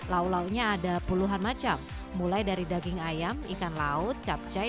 lau lauknya ada puluhan macam mulai dari daging ayam ikan laut capcai